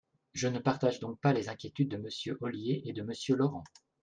Je ne partage donc pas les inquiétudes de Monsieur Ollier et de Monsieur Laurent.